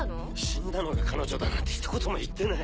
死んだのが彼女だなんてひと言も言ってない。